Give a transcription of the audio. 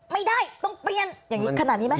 ไม่ได้ต้องเปลี่ยนอย่างนี้ขนาดนี้ไหม